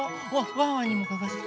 ワンワンにもかがせて。